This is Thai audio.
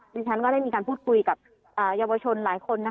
ดิฉันก็ได้มีการพูดคุยกับเยาวชนหลายคน